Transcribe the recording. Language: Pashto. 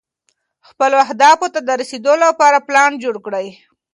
خپلو اهدافو ته د رسېدو لپاره پلان جوړ کړئ.